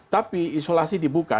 tapi isolasi dibuka